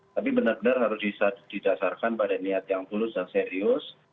tapi benar benar harus didasarkan pada niat yang tulus dan serius